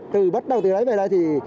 từ bắt đầu từ đấy về đây thì